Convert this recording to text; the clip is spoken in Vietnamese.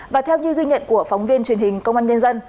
và theo như ghi nhận của phóng viên truyền hình công an nhân dân